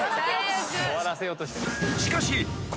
終わらせようとしてる。